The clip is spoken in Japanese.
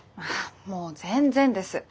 もう全然です。